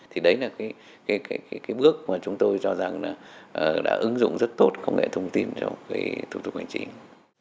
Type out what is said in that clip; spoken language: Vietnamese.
thì đấy là cái bước mà chúng tôi cho rằng là đã ứng dụng rất tốt công nghệ thông tin trong cái thủ tục hành chính